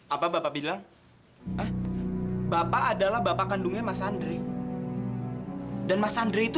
apa bapak bilang bapak adalah bapak kandungnya mas andri dan mas andri itu